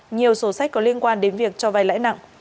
nhiều sổ sách có liên quan đến việc cho vay lãi nặng